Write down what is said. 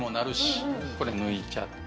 これ抜いちゃって。